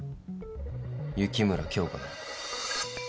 雪村京花だ。